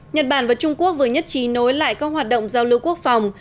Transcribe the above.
nhật bản và trung quốc vừa nhất trí nối lại các hoạt động giao lưu quốc phòng